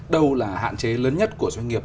đâu là hạn chế lớn nhất của doanh nghiệp